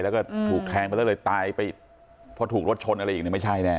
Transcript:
แล้วก็ถูกแทงไปแล้วเลยตายไปเพราะถูกรถชนอะไรอีกเนี่ยไม่ใช่แน่